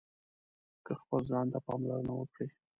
که خپل ځان ته پاملرنه وکړئ